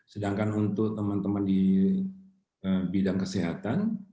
sedangkan untuk teman teman di bidang kesehatan